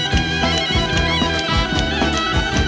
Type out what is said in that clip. กลับไปที่นี่